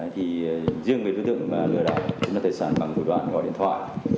thì riêng về đối tượng lừa đảo chiếm đoạt tài sản bằng thủ đoạn gọi điện thoại